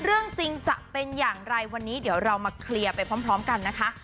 เรื่องจริงจะเป็นอย่างไรวันนี้เดี๋ยวเรามาเคลียร์ไปพร้อมกันนะคะ